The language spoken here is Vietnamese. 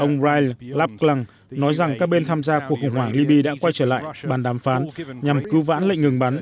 ông ryle lapklang nói rằng các bên tham gia cuộc khủng hoảng libya đã quay trở lại bàn đàm phán nhằm cứu vãn lệnh ngừng bắn